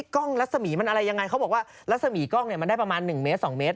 กล้องรัศมีร์มันอะไรยังไงเขาบอกว่ารัศมีกล้องเนี่ยมันได้ประมาณ๑เมตร๒เมตร